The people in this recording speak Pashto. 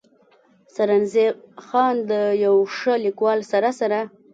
“ سرنزېب خان د يو ښه ليکوال سره سره